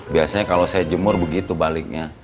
biasanya kalau saya jemur begitu baliknya